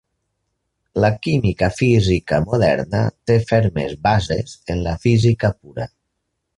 La química física moderna té fermes bases en la física pura.